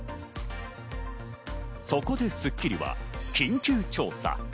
そこで『スッキリ』は緊急調査。